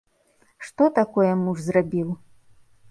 Што такое муж зрабіў?